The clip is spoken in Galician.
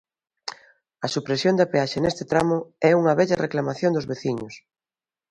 A supresión da peaxe neste tramo é unha vella reclamación dos veciños.